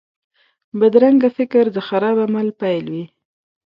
بدرنګه فکر د خراب عمل پیل وي